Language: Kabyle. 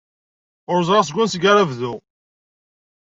Ur ẓriɣ seg wanseg ara bduɣ.